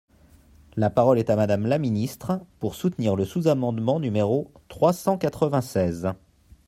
La parole est à Madame la ministre, pour soutenir le sous-amendement numéro trois cent quatre-vingt-seize.